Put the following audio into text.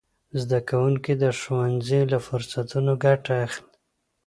زدهکوونکي د ښوونځي له فرصتونو ګټه اخلي.